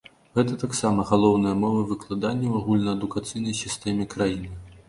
Гэта таксама галоўная мова выкладання ў агульнаадукацыйнай сістэме краіны.